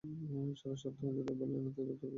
সারা সপ্তাহ জুড়ে ব্যালে নর্তকীদের মতে তো তুই নাচিস নি।